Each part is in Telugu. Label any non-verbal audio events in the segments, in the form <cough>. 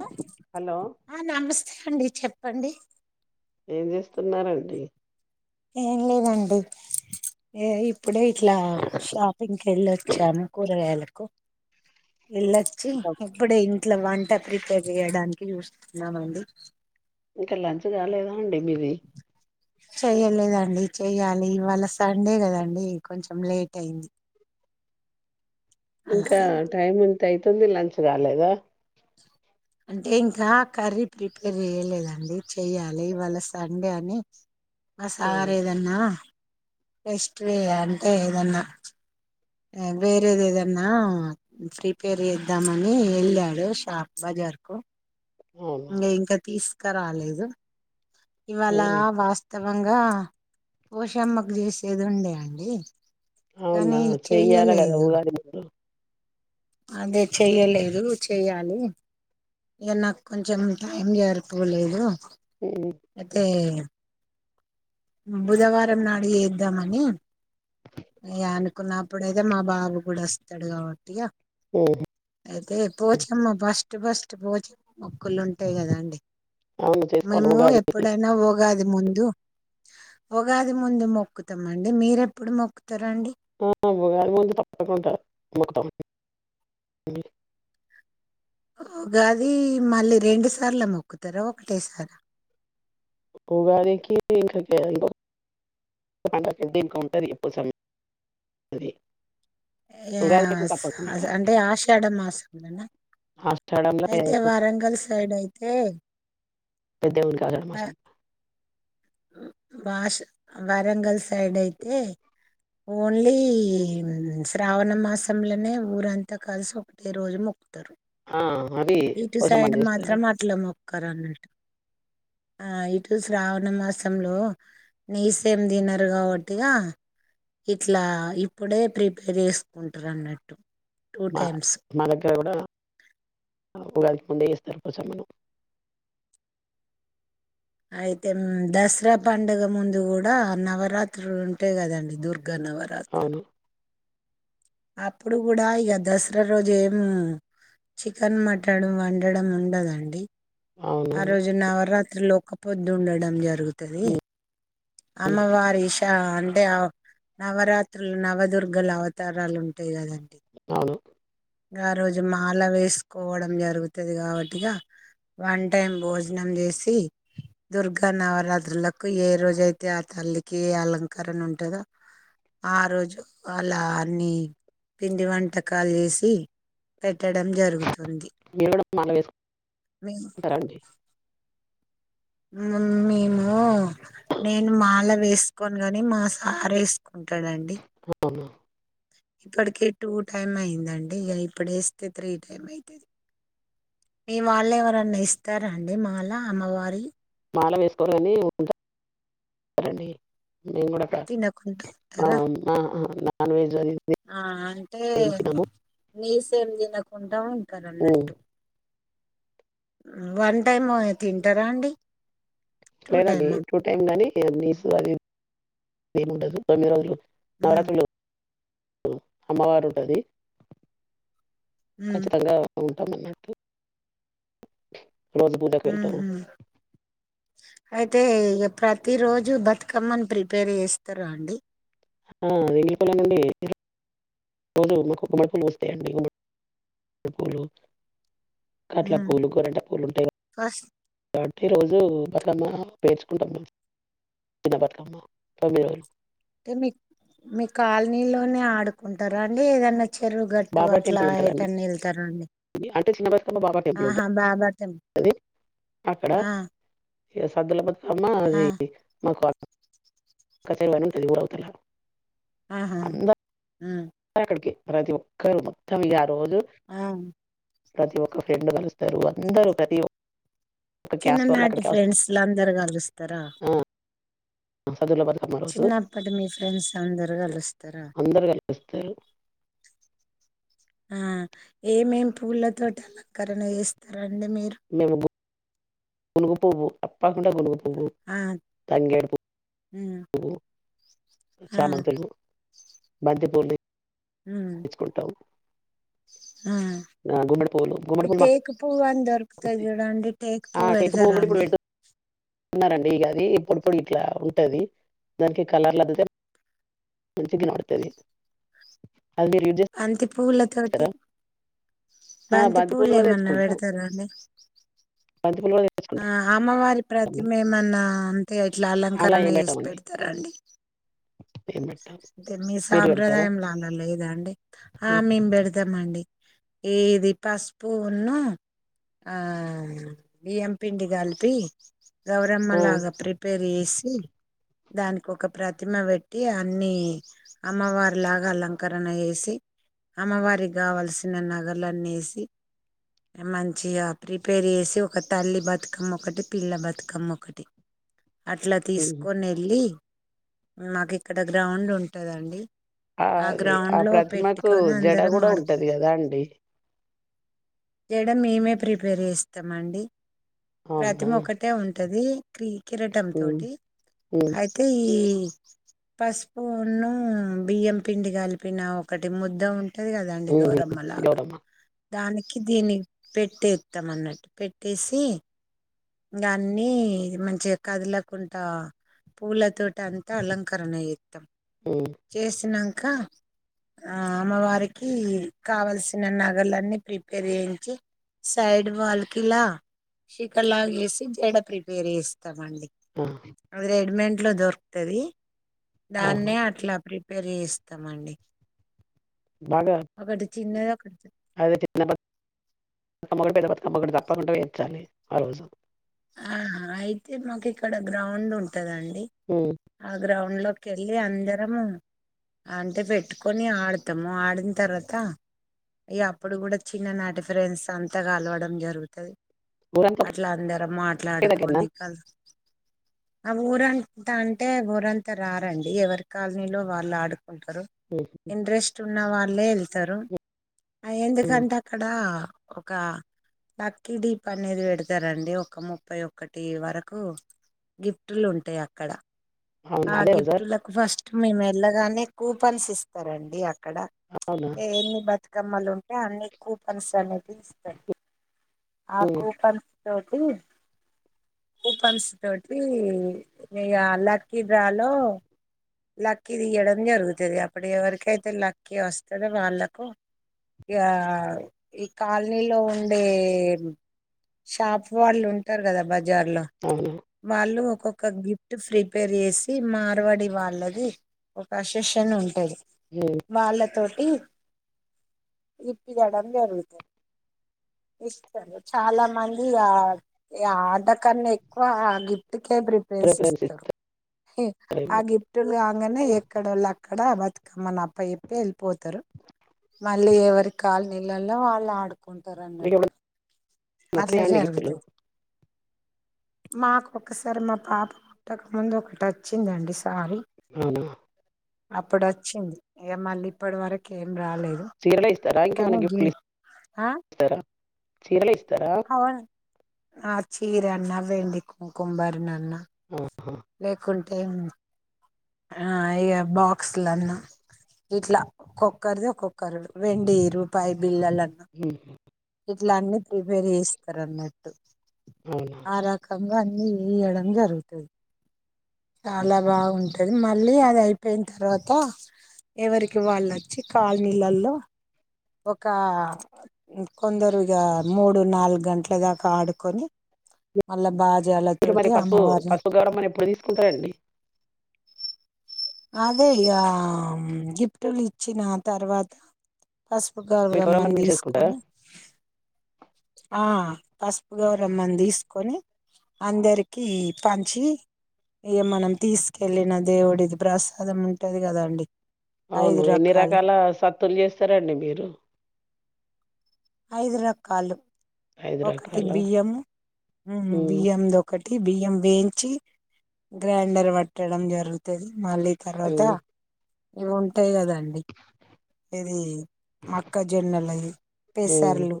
హ. హలో ఆ నమస్తే అండి చెప్పండి. ! ఏం జేస్తున్నారండి.? ఏం లేదండీ. ఏ ఇప్. ప్పుడే ఇట్లా షాపింకెళ్ళొచ్చాను కూరగాయలకు. ఎళ్ళచ్చి, ఇప్పుడే ఇంట్ల వంట ప్రిపేర్ జేయడాన్కి జూస్తున్నామండి. ! ఇంకా లంచ్ గాలేదా అండి మీది.? ! చెయ్యలేదండి, చెయ్యాలి ఇవాళ సండే గదండి. !? కొంచెం లేట్ అయ్యింది. ఇంకా టైమ్ ఎంత అయితుంది లంచ్ గాలేదా.? అంటే ఇంకా కర్రీ ప్రిపేర్ జేయలేదండి, చెయ్యాలి ఇవాళ సండే అని. మా సార్ ఏదన్నా, బెస్ట్వే అంటే ఏదన్నా. ఆ వేరేదెదన్నా ప్రిపేర్ జేద్దామని ఏళ్ళాడు షాప్ బజా. ర్కూ. అవునా ఇంగా ఇంకా తీస్కరాలేదు, ఇవాళా వాస్త్. త్తవంగా పోషమ్మకు జేసేదుండే అండి. ! అవునా కానీ చెయ్యాలి కదా చెయ్యలేదు. ఉగాది ముందు అదే చెయ్యలేదు, చెయ్యాలి. ఇగా నాకొంచెం టైం జర్పోలేదు అయితే. బుధవారం నాడు ఏద్దామని. ఇయ్య అనుకున్నప్పుడైతే మా బాబు గూడా అస్తడు గా. ఇగా ఐతే పోచమ్మా బాస్. ట్ ఫస్ట్ పోచమ్మ మొక్కులుంటాయి గదా అండి. అవును ! చేసుకోవాలి మేము ఉగాది ఎప్పుడైనా ఊగాది ముందు. ఉగాది ముందు మొక్కుతమండి. మీరెప్పుడు మొక్కుతారండి.? <unintelligible> తప్పకుండా మొక్కుతం అండి. ఊగాది మళ్ళీ రెండు సార్ల మొక్కుతరా? ఒకటేసారా.? ఉగాదికి ఇంకా గ్యా <unintelligible> <unintelligible> ఇంగా ఉగాదికి అయితే తప్పకుండా సాస్ అంటే ఆషాఢ మాసం కానా. ఆషాఢంలో అయితే వరంగల్ సైడైతే పెద్ద దేవునికి ఆషాఢ నా. మాసం భాష వరంగల్ సైడైతే. ఓన్లీ శ్రావణ మాసంలనే ఊరంతా కలిసి ఒకటే రోజు మొక్కుతారు. ఆ. అది ఇటు పోచమ్మ సైడ్ చేస్తారు మాత్రం అట్ల మొక్కరు అన్నటు ఆ ఇటు శ్రావణ మాసంలో నీస్ ఏం తినరు కాబట్టిగా ఇట్లా ఇప్పుడే ప్రిపేర్ చేసుకుంటారు అన్నట్టు టూ మ టైమ్స్ మా దగ్గర కూడా ఉగాదికి ముందే చేస్తరు పోచమ్మని అయితే దసరా పండుగ ముందు గూడ నవరాత్రులు ఉంటాయ్ కదండి దుర్గ ఘ నవరాత్రి అవును అప్పుడు కూడా ఈగ దసరా రోజు ఏం చికెన్ మటన్ వండడం ఉండదండి ఆ అవునవును రోజు నవరాత్రిలో ఒక్కపొద్దుండడం జరు జరుగుతాది హ్మ్. అమ్మవారి ఇ అంటే నవరాత్రులు నవదుర్గల అవతారాలు ఉంటాయి కదా అవును గారోజు మాల వేసుకోవడం జరుగుతది కాబట్టిగా వన్ టైం భోజనం చేసి దుర్గా నవరాత్రులకు ఏ రోజయితే ఆ తల్లికి అలంకరణ ఉంటదో ఆ రోజు అలా నీ పిండి వంటకాలు చేసి పెట్టడం జరుగు మీరు కూడా మల మేము వేసుకుంటారండి మేము నేను మాల వేసుకోను గాని మా సార్ వేసు కుంటాడండి అవును ఇప్పటికే టూ టైమ్ అయిందండి ఈగ ఇప్పుడ వేస్తే త్రీ టైమ్ అయితది మీ వాళ్ళు ఎవరన్నా ఇస్తార అండి మాల అమ్మవారి మాల వేసుకోరు కాని <unintelligible> ఉంటారండి మేం కూడా తినకుండా ఉంటారా ఆ నా నాన్ వెజ్ అది ఇది ఆ అంటే ఏం తినము నీస్ ఏం తినకుండా ఉంటారు ఉమ్, అన్నట్టు వన్ టైమ్ ఏ తింటారా అండి టూ లేదండి టైమా టూ టైమ్ గానీ నీసు అది ఏముండదు తొమ్మి రోజులు మ్మ్ నవరాత్రులు హు అమ్మవారు ఉంటది మ్మ్ ఖచ్చితంగా ఉంటాం అన్నట్టు రోజు పూజకెళ్తాం మ్హూ అయితే ఇగ ప్రతిరోజు బతుకమ్మను ప్రిపేర్ చేస్తారా అండి ఆ ఎంగిలిపూల నుండి రోజు మాకు గుమ్మడిపూలు పుస్తయండి గుమ్మడిపూలు కాట్లా మ్మ్ పూలు గోరింట పూలుంటాయిగ ఫస్ట్ <inaudible> ప్రతిరోజు బతుకమ్మ పేర్చుకుంటాం చిన్న బతుకమ్మ తొమ్మిది రోజులు అంటే మీ మీ కాలనీలోనే ఆడుకుంటారా అండి ఏదన్నా చెరువు గట్టు బాబా అట్లా టెంపుల్ ఉంటుందండి ఏటన్నా ఎల్తారా అండి అంటే చిన్న బతుకమ్మ బాబా టెంపుల్ ఆహా బాబా దెం ఉంటుంది అక్కడ ఆ సద్దుల బతుకమ్మ ఆ అది మకు అక్కచెరువు అని ఉంటది ఊరు అవుతాల ఆహా ఆ అక్కడికి ప్రతి ఒక్కరు మొత్తం ఇగ రోజు ఆ ప్రతి ఒక్క ఫ్రెండ్ కలుస్తారు అందరూ ప్రతి ఒక చిన్ననాటి ఫ్రెండ్స్ లు అందరు కలుస్తారా ఆ, సద్దుల బతుకమ్మ రోజు చిన్నప్పటి మీ ఫ్రెండ్స్ అందరు కలుస్తారా అందరూ కలుస్తారు ఆ ఏమేం పూలతోటి అలంకరణ చేస్తారు రండి మీరు మేము గు- గునుగు పువ్వు తప్పాకుండా గునుగు పువ్వు తంగేడు పువ్వు మ్ చామంతులు, బంతి పూలు తెచ్చుకుంటం ఆఁ పూలు ఈ గుమ్మడి పూలు టేకు పువ్వు అని దొరుకుతది మాకు చూడండి టేక్ పువ్వు పెడతరా అండి. ఉన్నరండి ఇగా అది పొడి పొడి ఇట్లా ఉంటది దానికి కలర్లు అద్దితే మంచిగా కనవడుతది అంతి పూల తోటి ఆ బంతి పూలు కూడా ఏమన్నా తెచ్చుకుంటాం పెడతారా అండి. బంతి పూలు కూడా ఆ అమ్మవారి ప్రతిమ తెచ్చుకుంటాం ఏమన్నా అంటే ఇట్లా అలా అలంకరణ ఏం చేసి పెట్టామండి పెడతారా అండి ఏం లే అంటే మీ సాంప్రదాయంలా అలా లేదాండి ఆ హ్మ్. మేం పెడుతము అండి ఏది పసుపున్ను ఆ బియ్యం పిండి కలిపి ఆ గౌరమ్మలాగా ప్రిపేర్ చేసి, దానికి ఒక ప్రతిమ పెట్టి అన్ని అమ్మవారి లాగా అలంకరణ చేసి, అమ్మవారి కావలసిన నగలన్నేసి, మంచిగా ప్రిపేర్ చేేసి ఒక తల్లి బ తుకమ్మ ఒకటి, పిల్ల బతుకమ్మ ఒకటి అట్లా హ్మ్. తీసుకొని ఎళ్ళి మాకు ఇక్కడ గ్రౌండ్ ఉంటదండి. ఆ అది ఆ గ్రౌండ్ లో ప్రతిమకు పెట్టుకొని జడ అందరం కూడా ఆడుకు ఉంటది కదా అండి జడ మేమే ప్రిపేర్ చేస్తమండి అవునా ప్రతిమ ఒక్కటే ఉంట ది క్రీ కిరిటం ఉమ్ తోటి ఉమ్ అయితే ఈ పసుపునూ, బియ్యం పిండి కలిపిన ఒకటి ముద్ద ఉంటది కదండి ఉమ్ గౌరమ్మ లాగా గౌరమ్మ దానికి దీన్ని పెట్టేత్తం అన్నట్టు పెట్టేసి ఇంగ అన్ని మంచిగా కదలకుంటా పూలతోటి అంతా అలంకరణ చెత్తం ఉమ్ చేసినంక ఆ అమ్మవారికి కావల్సిన నగలన్నీ ప్రిపేర్ చేయించి, సైడ్ వాల్ కి ఇలా షికా లాగేసి జడ ప్రిపేర్ చేస్తామండి ఆ రెడ్మెంట్ ట్లో దొరుకుతుంది అవును దాన్నే అట్లా ప్రిపేర్ చేస్తమండి బాగా ఒకటి చిన్నది ఒకటి అదే చిన్న బతుకమ్మ గూడ పెద్ద బతుకమ్మ గూడ తప్పకుండా పెట్టాలి ఆ రోజు. ఆ అయితే మాకు ఇక్కడ గ్రౌండ్ ఉంటదండి ఉమ్ ఆ గ్రౌండ్ లో కెళ్ళి అందరమూ అంటే పెట్టుకొని ఆడుతము ఆడిన్ తర్వాత, ఇగ అప్పుడు కూడా చిన్ననాటి ఫ్రెన్స్ అంతా కలవడం జరుగుతది. ఊరంతా అట్ల అందరం ఒకే దగ్గరనా మాట్లాడుకొని కలు ఆ ఊరంట అంటే ఊరంతా రారండి ఎవరి కాలనీలో వాళ్ళు ఆడు ఉంటరు ఉమ్ ఇంట్రెస్ట్ ఉన్న వాళ్ళే ఎళ్తరు ఆ ఉమ్ ఎందుకంటే అక్కడ ఒక లక్కీ డీప్ అనేది పెడుతరండి ఒక ముప్పై ఒకటి వరకు గిఫ్టులు ఉంటాయి అక్కడ అవునా ఆ అదే రోజా గిఫ్టులకు ఫస్ట్ మేము ఎళ్లగానే కూపన్స్ ఇస్తారండి అ క్కడ అవునా ఎన్ని బతుకమ్మలు ఉంటే అన్ని కూపన్స్ అనే తీస్తర్ ఆ హ్మ్. కూపన్ తోటి కూపన్స్ తోటి ఇగ లక్కీ డ్రాలో లక్కీ తియ్యడం జరుగుతుది అప్పుడు ఎవరికైతే లక్కీ వస్తదో వాళ్ళకు ఇగా ఈ కాల్నీలో ఉండే షాప్ వాళ్ళు ఉంటరు కదా బజార్ లో అవును. వాళ్ళు ఒక్కొక్ క గిఫ్ట్ ప్రిపేర్ చేసి మార్వడి వాళ్ళది ఒక అసెషన్ ఉంటది. హ్మ్. వాళ్ళ తోటి ఇప్పియడం జరుగుతు ఇస్తరు. చాల మంది ఆ ఆ అంతకన్నా ఎక్కువ గిఫ్ టికే ప్రిఫరెన్స్ ఇస్తరు. ఆ ఇస్తారేమో. గిఫ్టు రాంగనే ఎక్కడొల్ల అక్కడ బతుకమ్మనీ అప్పచెప్పి ఎళ్పోతరు. మళ్ళీ ఎవరి కాలనీలల్లో వాళ్ళు ఆడుకుంటరు అన్నట్టు. వత్తాయ అండి గిఫ్టు లు మాకుొక్కసారి మా పాప పుట్టక ముందు ఒకటి వచ్చిందండి సారీ అవునా అప్పుడు వచ్చింది. ఇగ మళ్ళీ ఇప్పడి వరకే చీరలే ఇస్తరా? ఇంకేమన్న గిఫ్టు లు ఆ ఇస్ తర చీరలే ఇస్తారా? అవును ఆ చీర అన్న వెండి కుంకుంబర్ణన్న ఆ లేకుంటే ఆ ఇగ బాక్స్లాన్న ఇట్లా ఒక్కొక్కరిది ఒక్కొక్కరు వెండి రూపాయి బిల్లలన్న హుహు. ఇట్ల అన్న ప్రిపేర్ చేస్తరు అన్నట్టు. అవునా ఇంగ అన్నీ ఇయడం జరుగుత చాలా బాగుంటది. మళ్ళీ అది అయిపోయిన తర్వాత ఎవరికి వాళ్ళొచ్చి కాల్నీళల్లో ఒకా కొందరీగా మూడు నాలుగు గంట్ల దాక ఆడుకొని మళ్ల బా మీరు మరి పసుపు, పసుపు గౌరమ్మని ఎప్పుడు తీసుకుంటరండి? అదే ఇగా, గిఫ్టులు ఇచ్చిన తర్వాత పసుపు మీ గౌరమ్మని మీరు చేసుకుంటారా? తీసుకొని ఆ పసుపు గౌరమ్మని తీసుకొని, అందరికి పంచి ఇగ మనం తీసుకెళ్ళిన దేవుడిది ప్రసాదం ఉంటది కదా అండి అవును ఎన్ని రకాల సత్తులు చేస్తరండి మీరు? ఐదు రకాలు, ఒకటి రకాలా? బియ్యం, ఉ హ్మ్. బియ్యం దొకట్ టి బియ్యం వేయించి, గ్రైండర్ పట్టడం జరుగుతది. మళ్ళీ తర్వాత, హ్మ్. ఇవుంటయ్ కదా అండి ఇదీ మొక్క జొన్నలయి హ్మ్. పెసర్లు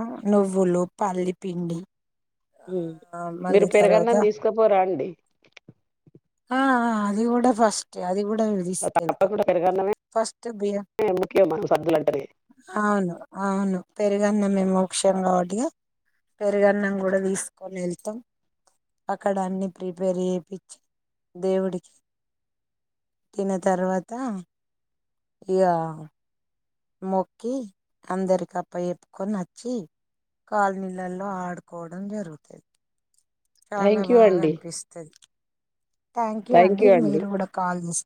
ఉ నువ్వులు, పల్లి పండి ఉ మీరు పెరుగన్నం తీసుకపోరా అండి? ఆ అది కూడా ఫస్ట్ ఏ అది కూ డరు తీసుకెళ్తాం. తప్పకుండా పెరుగన్నమే ఫస్ట్ బియ ముఖ్యం మనం సద్దులంటేనే. అవును అవును పెరుగన్నమే మోక్షం కాబట్టిగా పెరుగన్నం కూడ తీసుకొనెళ్తాం. అక్కడ అన్ని ప్రిపేర్ చేపిచి దేవుడికి తిన తర్వాత ఇగా మొక్కి, అందరికి అప్ప చెప్పుకొనచ్చి కాలనీలలో ఆడుకోడం జరుగుత చాలా థ్యాంక్ యూ బాగా అండి. అన్పిస్తది. థ్యాంక్ యూ అండి ఇది మీరు కూడా కాల్ చేస్